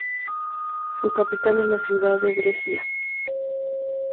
Su capital es la ciudad de Brescia.